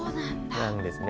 なんですね。